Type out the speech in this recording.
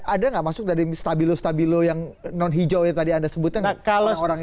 ada nggak masuk dari stabilo stabilo yang non hijau yang tadi anda sebutkan